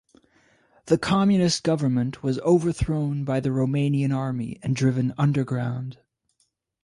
The communist government was overthrown by the Romanian Army and driven underground.